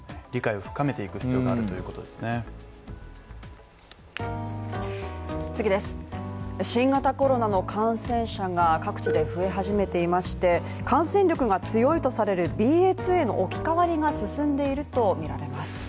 理解を深めていく必要があるということですね新型コロナの感染者が各地で増え始めていまして感染力が強いとされるＢＡ．２への置き換わりが進んでいるとみられます。